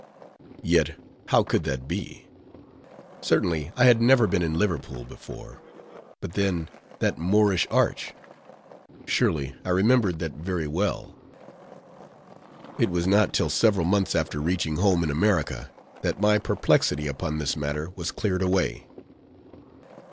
Yet how could that be? Certainly, I had never been in Liverpool before: but then, that Moorish arch! surely I remembered that very well. It was not till several months after reaching home in America, that my perplexity upon this matter was cleared away.